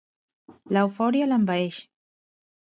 L'eufòria l'envaeix.